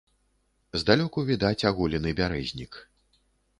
Здалёку відаць аголены бярэзнік.